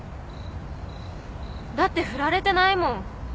だって振られてないもん。